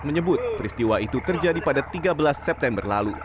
menyebut peristiwa itu terjadi pada tiga belas september lalu